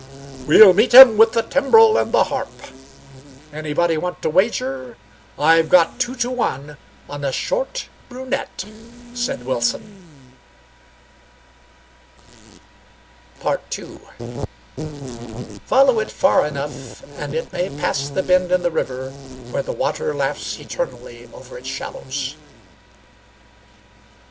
"We'll meet him with the timbrel and the harp. Anybody want to wager? I've got two to one on a short brunette," said Wilson. II "Follow it far enough and it may pass the bend in the river where the water laughs eternally over its shallows."